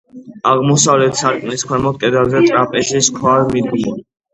აღმოსავლეთ სარკმლის ქვემოთ, კედელზე, ტრაპეზის ქვაა მიდგმული.